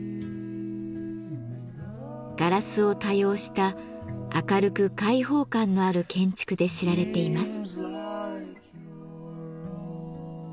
ガラスを多用した明るく開放感のある建築で知られています。